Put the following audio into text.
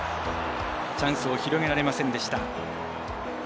チャンスを広げられませんでした。